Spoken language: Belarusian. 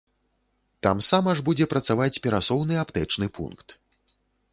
Тамсама ж будзе працаваць перасоўны аптэчны пункт.